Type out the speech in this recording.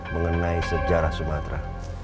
mengenai sejarah sumatera